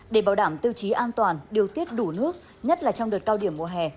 để bảo đảm tiêu chí an toàn điều tiết đủ nước nhất là trong đợt cao điểm mùa hè